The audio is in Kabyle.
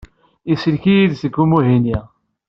Isellek-iyi-d seg umihi-nni.